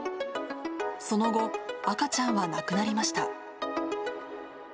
その後、赤ちゃんは亡くなりました。